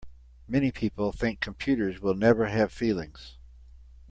Many people think computers will never have feelings.